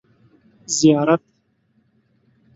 زیارت